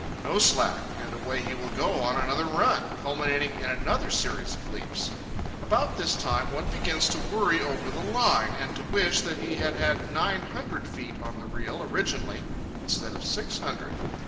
No slack, and away he will go on another run, culminating in another series of leaps. About this time one begins to worry over the line, and to wish that he had had nine hundred feet on the reel originally instead of six hundred.